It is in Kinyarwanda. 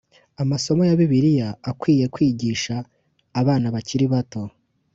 Amasomo ya Bibiliya akwiye kwigisha abana bakiri bato